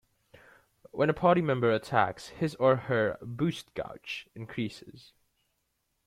When a party member attacks, his or her "Boost Gauge" increases.